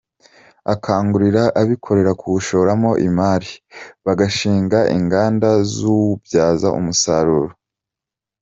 Akangurira abikorera kuwushoramo imari bagashinga inganda ziwubyaza umusaruro.